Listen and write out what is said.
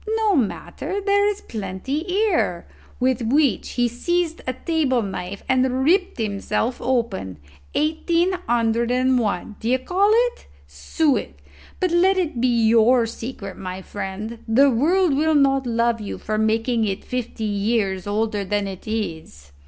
No matter; there is plenty here;' with which he seized a table knife and ripped himself open. Eighteen hundred and one, d'ye call it? Soit. But let it be your secret, my friend. The world will not love you for making it fifty years older than it is."